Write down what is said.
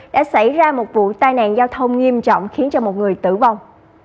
đã xảy ra một vụ tai nạn giao thông nghiêm trọng khiến cho một người tử vong